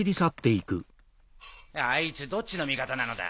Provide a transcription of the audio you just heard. あいつどっちの味方なのだ？